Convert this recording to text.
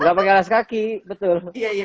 nggak pakai alas kaki betul